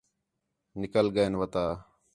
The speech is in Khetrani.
نِکل ڳئین وَتا